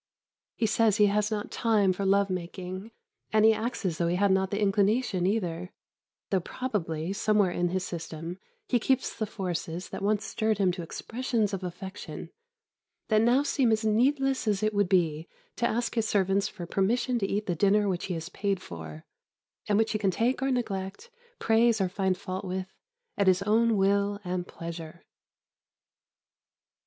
He says he has not time for love making, and he acts as though he had not the inclination either, though probably, somewhere in his system he keeps the forces that once stirred him to expressions of affection that now seem as needless as it would be to ask his servants for permission to eat the dinner which he has paid for, and which he can take or neglect, praise or find fault with, at his own will and pleasure.